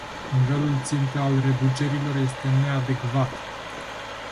Nivelul țintă al reducerilor este neadecvat.